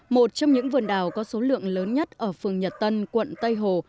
một trong những vườn đào có số lượng lớn nhất ở phường nhật tân quận tây hồ